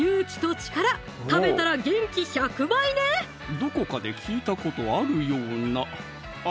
どこかで聞いたことあるようなあっ